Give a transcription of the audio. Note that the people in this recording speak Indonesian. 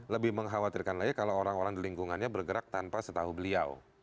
lebih mengkhawatirkan lagi kalau orang orang di lingkungannya bergerak tanpa setahu beliau